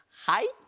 はい。